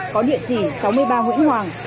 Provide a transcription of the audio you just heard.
có địa chỉ sáu mươi ba nguyễn hoàng